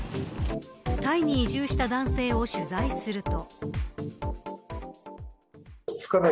タイに移住した男性を取材すると。